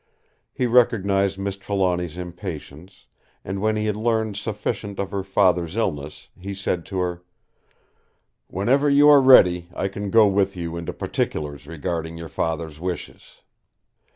He recognised Miss Trelawny's impatience, and when he had learned sufficient of her father's illness, he said to her: "Whenever you are ready I can go with you into particulars regarding your Father's wishes."